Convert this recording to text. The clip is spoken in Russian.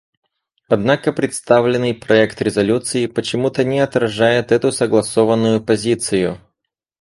Однако представленный проект резолюции почему-то не отражает эту согласованную позицию.